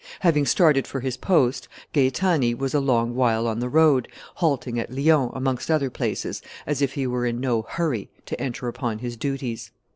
Having started for his post, Gaetani was a long while on the road, halting at Lyons, amongst other places, as if he were in no hurry to enter upon his duties.